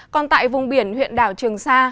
còn tại vùng biển huyện đảo trường sa